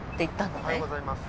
おはようございます